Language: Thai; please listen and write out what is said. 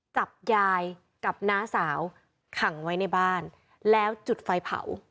จับยายกับน้าสาวขังไว้ในบ้านแล้วจุดไฟเผา